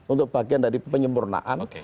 untuk bagian dari penyempurnaan